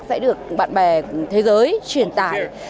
sẽ được bạn bè thế giới truyền tải